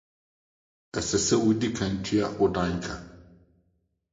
Ɛsɛ sɛ wudi kan tua wo dan ka.